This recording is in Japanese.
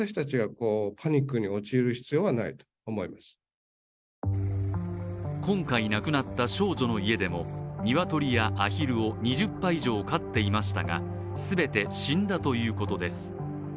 専門家は今回、亡くなった少女の家でもニワトリやアヒルを２０羽以上飼っていましたが全て死んだということです。